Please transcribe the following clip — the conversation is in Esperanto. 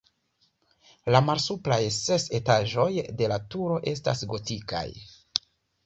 La malsupraj ses etaĝoj de la turo estas gotikaj.